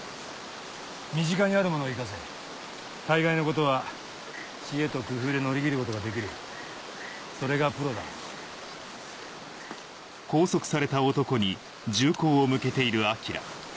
身近にあるものを生かせ大概のことは知恵と工夫で乗り切るこそれがプロだおい熱っつ！